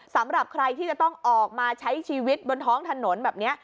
สำหรับใครที่จะต้องออกมาใช้ชีวิตบนท้องถนนแบบนี้